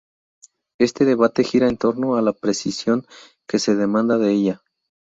Este debate gira en torno a la precisión que se demanda de ella.